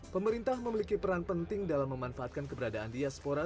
pemerintah memiliki peran penting dalam memanfaatkan keberadaan diaspora